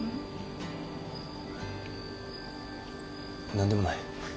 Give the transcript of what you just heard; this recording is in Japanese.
何でもない。